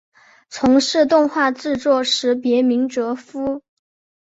从事动画制作时别名哲夫。